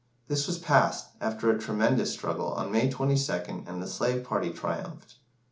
This was passed, after a tremendous struggle, on May 22nd and the slave party triumphed.